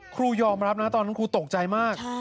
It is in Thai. ครูยอมรับนะตอนนั้นครูตกใจมาก